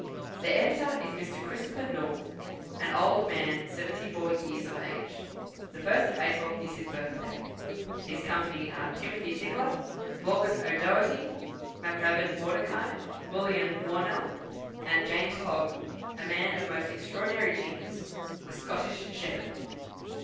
The Editor is Mr. Christopher North, an old man seventy four years of age; the 1st of April is his birth day; his company are Timothy Tickler, Morgan O'Doherty, Macrabin Mordecai, Mullion, Warnell, and James Hogg, a man of most extraordinary genius, a Scottish shepherd.